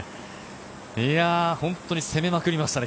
本当に攻めまくりましたね